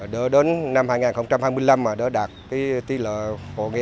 đó đến năm hai nghìn hai mươi năm mà đã đạt tiết lợi hộ nghèo